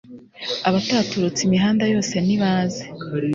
abutaturutse imihanda yose ni baze